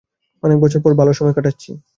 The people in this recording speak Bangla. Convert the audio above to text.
অনেক বছর পরে ভাল সময় কাটাচ্ছি।